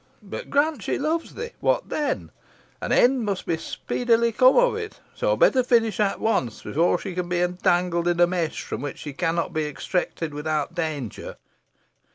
But grant she loves thee what then! An end must speedily come of it; so better finish at once, before she be entangled in a mesh from which she cannot be extricated without danger.